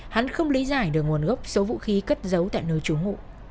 hắn không lý giải được nguồn gốc số vũ khí cất giấu tại nơi trú ngụ